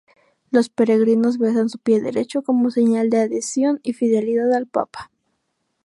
Los peregrinos besan su pie derecho como señal de adhesión y fidelidad al Papa.